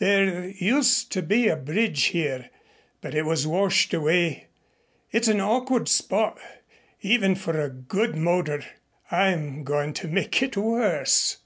There used to be a bridge here, but it was washed away. It's an awkward spot, even for a good motor. I'm going to make it worse."